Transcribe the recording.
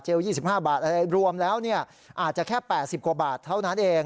๒๕บาทอะไรรวมแล้วอาจจะแค่๘๐กว่าบาทเท่านั้นเอง